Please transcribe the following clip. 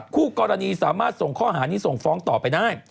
คู่กรณีสามารถส่งข้อหานี้ส่งฟ้องต่อไปได้